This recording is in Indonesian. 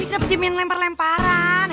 ini kenapa jemim lempar lemparan